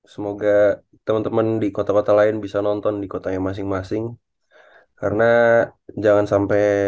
semoga teman teman di kota kota lain bisa nonton di kota yang masing masing karena jangan sampai